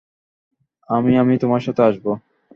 আমি-- আমি তোমার সাথে আসব।